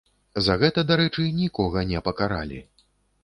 За гэта, дарэчы, нікога не пакаралі.